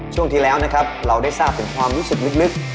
ช่วงที่แล้วนะครับเราได้ทราบถึงความรู้สึกลึก